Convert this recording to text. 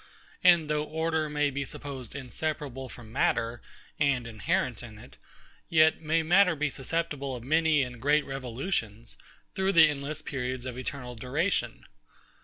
And though order were supposed inseparable from matter, and inherent in it; yet may matter be susceptible of many and great revolutions, through the endless periods of eternal duration.